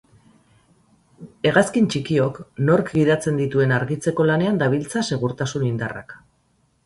Hegazkin txikiok nork gidatzen dituen argitzeko lanean dabiltza segurtasun indarrak.